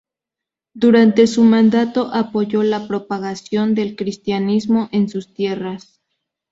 Durante su mandato apoyó la propagación del cristianismo en sus tierras.